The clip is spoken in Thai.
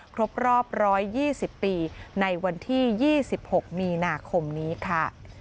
ครบรอบ๑๒๐ปีในวันที่๒๖มีนาคมนี้ค่ะ